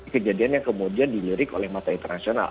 kejadian yang kemudian dilirik oleh mata internasional